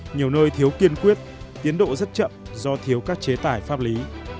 nhiều nơi thiếu kiên quyết tiến độ rất chậm do thiếu các chế tải pháp lý